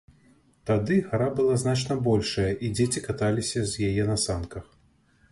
Тады гара была значна большая, і дзеці каталіся з яе на санках.